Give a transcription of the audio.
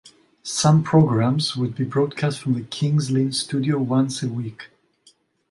Some programmes would be broadcast from the King's Lynn studio once a week.